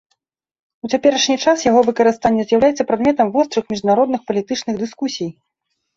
У цяперашні час яго выкарыстанне з'яўляецца прадметам вострых міжнародных палітычных дыскусій.